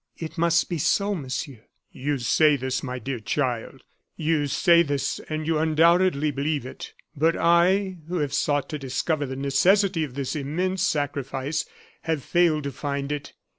"It must be so, Monsieur." "You say this, my dear child you say this, and you undoubtedly believe it. But I, who have sought to discover the necessity of this immense sacrifice, have failed to find it.